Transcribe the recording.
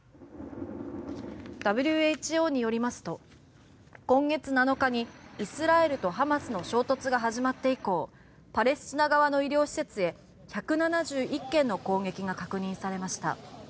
ＷＨＯによりますと今月７日にイスラエルとハマスの衝突が始まって以降パレスチナ側の医療施設へ１７１件の攻撃が確認されました。